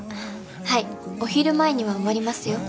はいお昼前には終わりますよ。